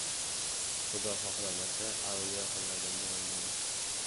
• Xudo xohlamasa avliyo ham yordam berolmaydi.